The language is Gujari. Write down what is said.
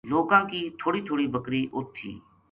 لوکاں کی تھوڑی تھوڑی بکری اُت تھی